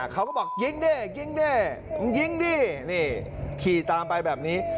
เขาก็บอกยิงดิยิงดิมึงยิงดินี่ขี่ตามไปแบบนี้